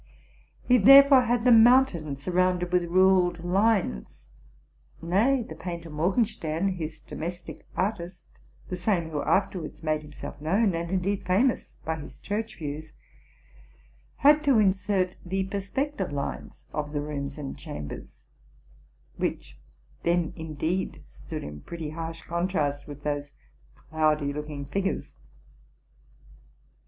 He therefore had them mounted and surrounded with ruled lines; nay, the painter Morgenstern, his domesti¢ artist, — the same who afterwards made himself known, and indeed famous, by his church views, — had to insert the per spective lines of the rooms and chambers, which then, indeed, stood in pretty harsh contrast with those cloudy looking fig ares.